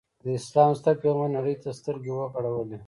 د اسلام ستر پیغمبر نړۍ ته سترګې وغړولې.